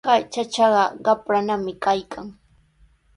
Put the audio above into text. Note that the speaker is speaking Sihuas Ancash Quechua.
Kay chachaqa qapranami kaykan.